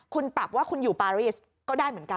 คุณปรับว่าคุณอยู่ปารีสก็ได้เหมือนกัน